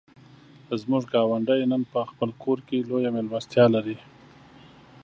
زموږ ګاونډی نن په خپل کور کې لویه مېلمستیا لري.